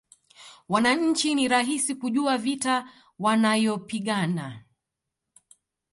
Wananchi ni rahisi kujua vita wanayopigana